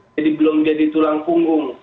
jadi belum jadi tulang punggung